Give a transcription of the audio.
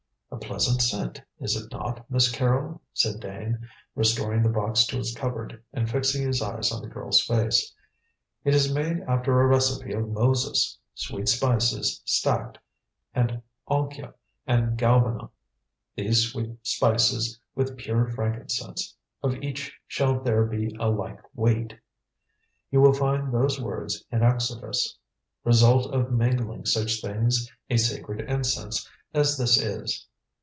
"A pleasant scent, is it not, Miss Carrol?" said Dane, restoring the box to its cupboard and fixing his eyes on the girl's face. "It is made after a recipe of Moses. 'Sweet spices, stacte, and onycha and galbanum; these sweet spices with pure frankincense: of each shall there be a like weight.' You will find those words in Exodus. Result of mingling such things a sacred incense, as this is.